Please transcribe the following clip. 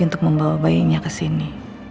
untuk membawa bayinya kesini